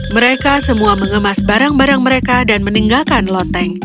mereka semua mengemas barang barang mereka dan meninggalkan loteng